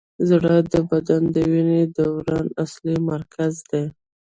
زړه د بدن د وینې دوران اصلي مرکز دی.